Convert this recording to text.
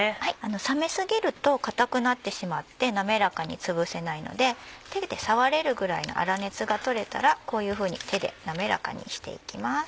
冷め過ぎると硬くなってしまって滑らかに潰せないので手で触れるぐらいの粗熱が取れたらこういうふうに手で滑らかにしていきます。